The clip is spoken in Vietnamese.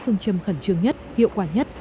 chúng tôi phải tìm kiếm tỉnh trường nhất hiệu quả nhất